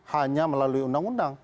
hanya melalui undang undang